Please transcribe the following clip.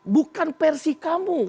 bukan versi kamu